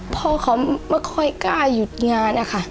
พ่อเขาไม่ค่อยกล้าหยุดงานนะคะ